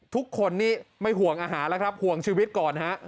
ทุกคนนี้ไม่ห่วงอาหารแล้วครับห่วงชีวิตก่อนฮะ